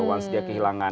once dia kehilangan